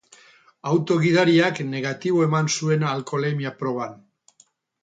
Auto gidariak negatibo eman zuen alkoholemia proban.